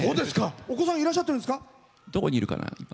お子さんいらっしゃってるんですか？